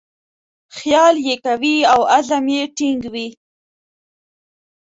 خیال یې قوي او عزم یې ټینګ وي.